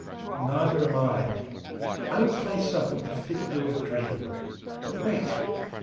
"Neither am I. I will play something to fit your dream. But wait!